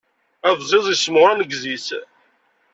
Abẓiẓ yessemɣer aneggez-is.